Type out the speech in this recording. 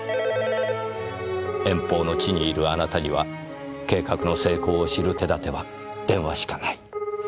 遠方の地にいるあなたには計画の成功を知る手立ては電話しかない。